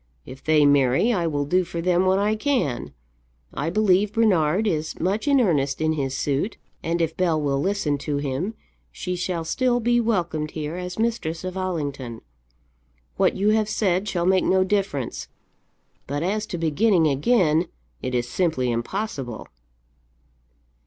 If they marry, I will do for them what I can. I believe Bernard is much in earnest in his suit, and if Bell will listen to him, she shall still be welcomed here as mistress of Allington. What you have said shall make no difference; but as to beginning again, it is simply impossible."